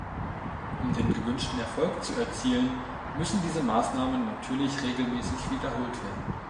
Um den gewünschten Erfolg zu erzielen, müssen diese Maßnahmen natürlich regelmäßig wiederholt werden.